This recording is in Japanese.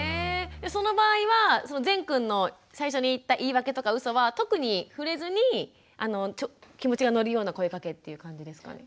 その場合はぜんくんの最初に言った言い訳とかうそは特に触れずに気持ちが乗るような声かけっていう感じですかね？